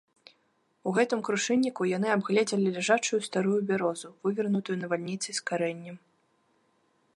У гэтым крушынніку яны абгледзелі ляжачую старую бярозу, вывернутую навальніцай з карэннем.